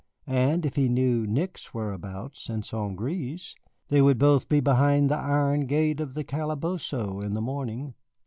And if he knew Nick's whereabouts and St. Gré's, they would both be behind the iron gateway of the calabozo in the morning.